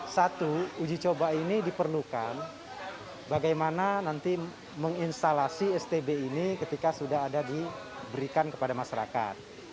satu uji coba ini diperlukan bagaimana nanti menginstalasi stb ini ketika sudah ada diberikan kepada masyarakat